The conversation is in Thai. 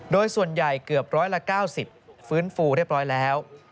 โดยส่วนใหญ่เกือบร้อยละ๙๐ฟื้นฟูเรียบร้อยแล้ว